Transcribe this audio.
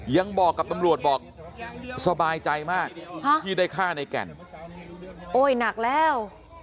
ยังบอกกับตำรวจสบายใจมากที่ได้ฆ่าเนื้อแก่น